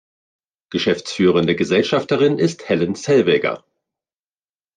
Geschäftsführende Gesellschafterin ist Helen Zellweger.